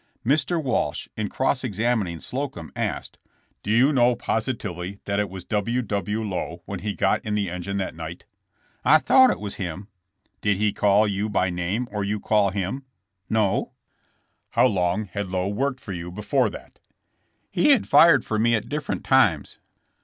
Mr. Walsh, in cross examining Sloeum, asked: "Did you know positively that it was W. W. Lowe when he got in the engine that night?" "I thought it was him." "Did he call you by name, or you call him?" No." 160 JKSSK JAMES. How long had Lowe worked for you before thatr' '*He had fired for me at different times."